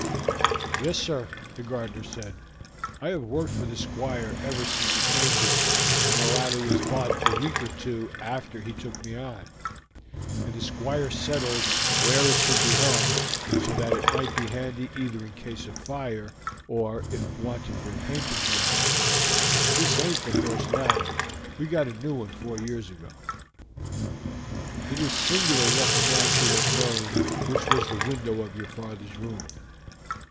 "Yes, sir," the gardener said, "I have worked for the Squire ever since he came here, and the ladder was bought a week or two after he took me on, and the Squire settled where it should be hung, so that it might be handy either in case of fire or if wanted for a painting job. This aint the first ladder; we got a new one four years ago." "It is singular that the man should have known which was the window of your father's room."